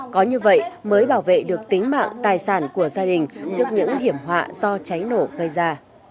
có như vậy mới bảo vệ được tính mạng tài sản của gia đình trước những hiểm họa do cháy nổ gây ra